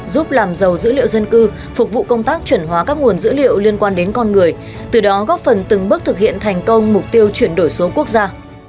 giúp làm giàu dữ liệu dân cư phục vụ công tác chuẩn hóa các nguồn dữ liệu liên quan đến con người từ đó góp phần từng bước thực hiện thành công mục tiêu chuyển đổi số quốc gia